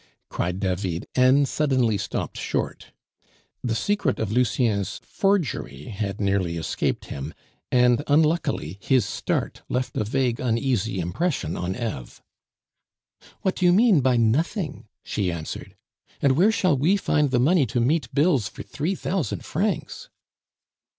cried David, and suddenly stopped short. The secret of Lucien's forgery had nearly escaped him, and, unluckily, his start left a vague, uneasy impression on Eve. "What do you mean by nothing?" she answered. "And where shall we find the money to meet bills for three thousand francs?"